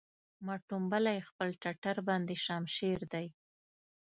ما ټومبلی خپل ټټر باندې شمشېر دی